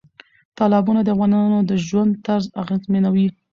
تالابونه د افغانانو د ژوند طرز اغېزمنوي.